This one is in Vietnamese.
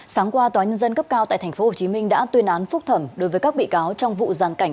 sáng qua tòa nhân dân cấp cao tại tp hcm đã tuyên án phúc thẩm đối với các bị cáo trong vụ giàn cảnh